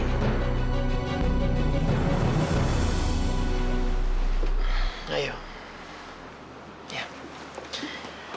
kasian dewi kayaknya udah capek